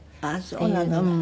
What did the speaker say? あっそうなの。